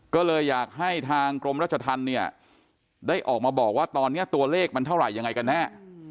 ก็เลยอยากให้ทางกรมรัชธรรมเนี่ยได้ออกมาบอกว่าตอนนี้ตัวเลขมันเท่าไหร่ยังไงกันแน่